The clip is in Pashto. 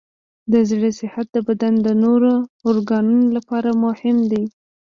د زړه صحت د بدن د نورو ارګانونو لپاره مهم دی.